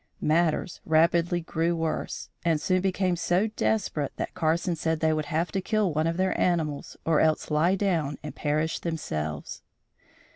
Matters rapidly grew worse, and soon became so desperate that Carson said they would have to kill one of their animals or else lie down and perish themselves.